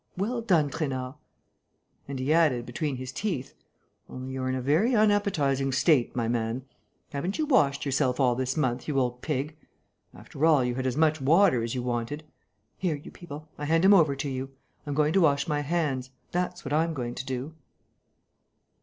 Well done, Trainard...." And he added, between his teeth, "Only you're in a very unappetizing state, my man. Haven't you washed yourself all this month, you old pig? After all, you had as much water as you wanted!... Here, you people, I hand him over to you. I'm going to wash my hands, that's what I'm going to do."